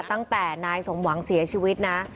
ตั้งแต่นายสมหวังเสียชีวิตนะ